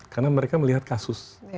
karena mereka melihat kasus